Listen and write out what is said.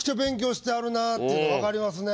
っていうのが分かりますね。